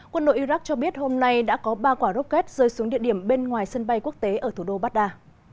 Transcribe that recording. quân đội iraq cho biết hôm nay đã có ba quả rocket rơi xuống địa điểm bên ngoài sân bay quốc tế ở thủ đô baghdad